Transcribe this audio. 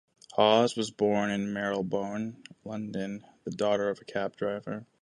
Hawes was born in Marylebone, London, the daughter of a cab driver.